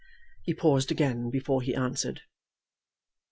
He paused again before he answered.